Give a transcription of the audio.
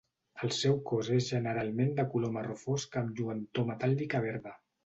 El seu cos és generalment de color marró fosc amb lluentor metàl·lica verda.